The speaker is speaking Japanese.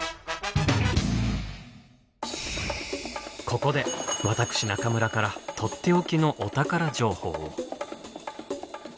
ここで私中村からとっておきのお宝情報を。